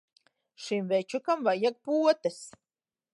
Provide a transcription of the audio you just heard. Šim večukam vajag potes.